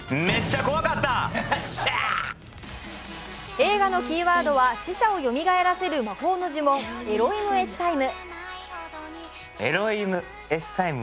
映画のキーワードは死者をよみがえらせる魔法の呪文・「エロイムエッサイム」。